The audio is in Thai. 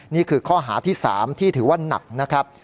นี่คือข้อหาที่๓ที่ถือว่าหนักนะครับ